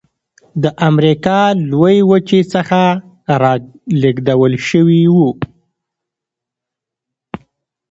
د امریکا لویې وچې څخه رالېږدول شوي وو.